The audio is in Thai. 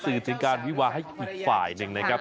สื่อถึงการวิวาให้อีกฝ่ายหนึ่งนะครับ